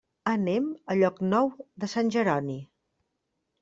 Anem a Llocnou de Sant Jeroni.